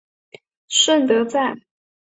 顺德站